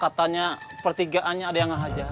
katanya pertigaannya ada yang ngajar